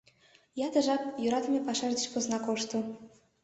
Ятыр жап йӧратыме пашаж деч посна кошто.